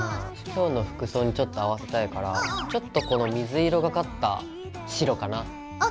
今日の服装にちょっと合わせたいからちょっとこの水色がかった白かな。